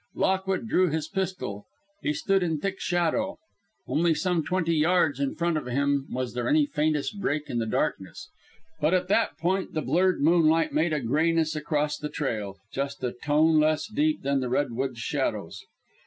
Lockwood drew his pistol. He stood in thick shadow. Only some twenty yards in front of him was there any faintest break in the darkness; but at that point the blurred moonlight made a grayness across the trail, just a tone less deep than the redwoods' shadows.